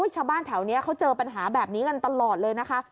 ชาวบ้านแถวนี้เขาเจอปัญหาแบบนี้กันตลอดเลยนะคะ